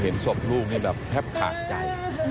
เห็นศพลูกนี่แบบแทบขาดใจ